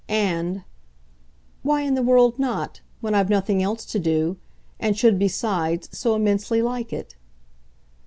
And "Why in the world not, when I've nothing else to do, and should, besides, so immensely like it?"